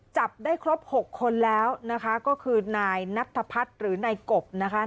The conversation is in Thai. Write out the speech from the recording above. จับได้ครบ๖คนแล้วนะคะก็คือนายนัทพัฒน์หรือนายกบนะคะ